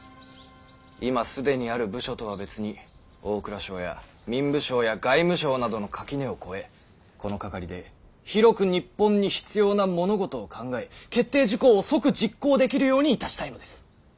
今既にある部署とは別に大蔵省や民部省や外務省などの垣根を越えこの掛で広く日本に必要な物事を考え決定事項を即実行できるようにいたしたいのです。